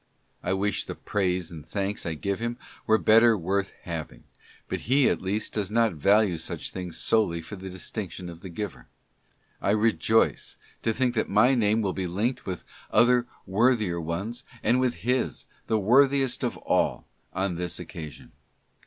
I wish the praise and thanks I give him were better worth having ; but he at least does not value such things solely for the distinction of the giver. I rejoice to think that my name will be linked with other worthier ones, and with his, the worthiest of all, on this occasion.